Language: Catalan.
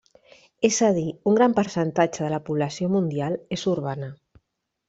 És a dir, un gran percentatge de la població mundial és urbana.